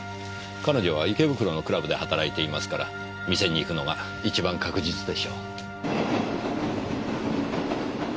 彼女は池袋のクラブで働いていますから店に行くのが一番確実でしょう。